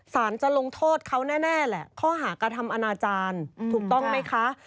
จะลงโทษเขาแน่แหละข้อหากระทำอนาจารย์ถูกต้องไหมคะ